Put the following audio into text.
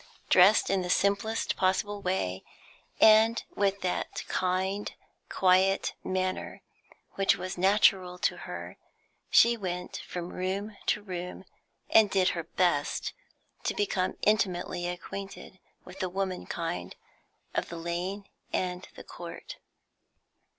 Dressed in the simplest possible way, and with that kind, quiet manner which was natural to her, she went about from room to room, and did her best to become intimately acquainted with the woman kind of the Lane and the Court.